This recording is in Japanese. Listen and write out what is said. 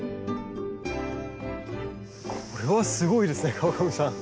これはすごいですね川上さん。